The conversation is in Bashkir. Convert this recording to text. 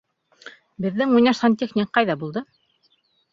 Беҙҙең уйнаш сантехник ҡайҙа булды?